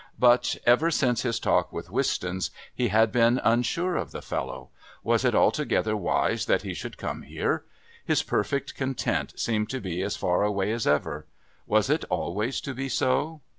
But ever since his talk with Wistons he had been unsure of the fellow. Was it altogether wise that he should come here? His perfect content seemed to be as far away as ever. Was it always to be so?